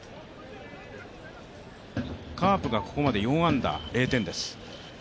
カープがここまで４安打、０点です。